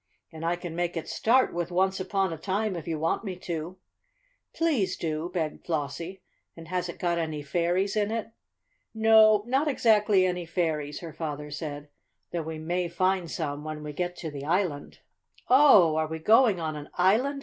And I can make it start with 'once upon a time,' if you want me to." "Please do," begged Flossie. "And has it got any fairies in it?" "No, not exactly any fairies," her father said; "though we may find some when we get to the island." "Oh, are we going on an island?"